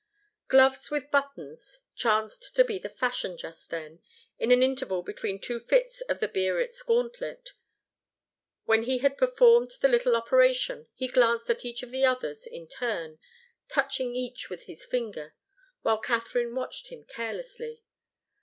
Gloves with buttons chanced to be the fashion just then, in an interval between two fits of the Biarritz gauntlet. When he had performed the little operation, he glanced at each of the others in turn, touching each with his finger, while Katharine watched him carelessly.